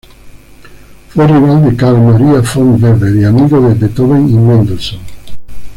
Fue rival de Carl Maria von Weber y amigo de Beethoven y Mendelssohn.